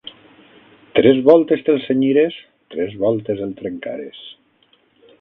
Tres voltes te'l cenyires, tres voltes el trencares.